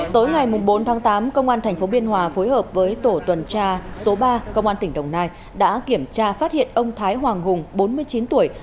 tối ngày bốn tháng tám công an tp biên hòa phối hợp với tổ tuần tra số ba công an tỉnh đồng nai đã kiểm tra phát hiện ông thái hoàng hùng bốn mươi chín tuổi